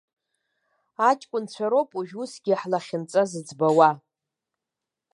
Аҷкәынцәа роуп уажә усгьы ҳлахьынҵа зыӡбуа!